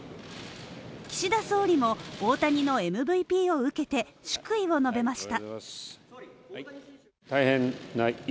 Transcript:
岸田総理も大谷のＭＶＰを受けて祝意を述べました。